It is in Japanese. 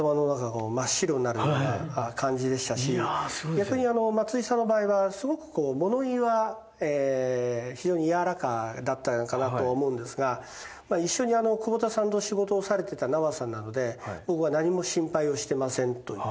逆に松井秀喜さんの場合はすごく物言いは非常にやわらかだったと思うんですが一緒に久保田さんと仕事をされていた名和さんなので僕は何も心配をしていませんと。